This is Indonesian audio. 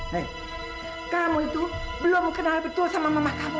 nek kamu itu belum kenal betul sama mama kamu